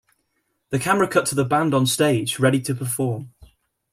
The camera cut to the band on stage, ready to perform.